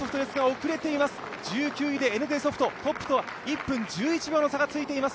遅れています、１９位・ＮＤソフト、トップとは１分１１秒の差がついています。